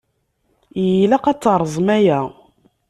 Ilaq ad t-teẓṛem aya.